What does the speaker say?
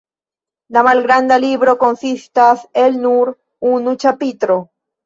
La malgranda libro konsistas el nur unu ĉapitro.